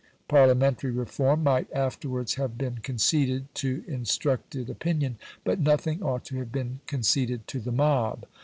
Parliamentary reform might afterwards have been conceded to instructed opinion, but nothing ought to have been conceded to the mob.